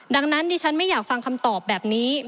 ดังนั้นดิฉันไม่อยากฟังคำตอบแบบนี้